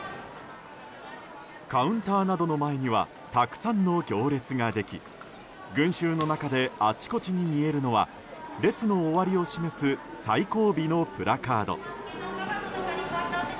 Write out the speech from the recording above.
カウンターなどの前にはたくさんの行列ができ群衆の中であちこちに見えるのは列の終わりを示す「最後尾」のプラカード。